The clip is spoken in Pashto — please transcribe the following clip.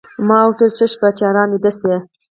ما ورته وویل: ښه شپه، چې ارام ویده شې.